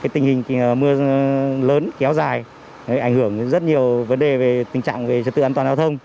tình hình mưa lớn kéo dài ảnh hưởng rất nhiều vấn đề về tình trạng về trật tự an toàn giao thông